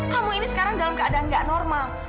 kamu ini sekarang dalam keadaan gak normal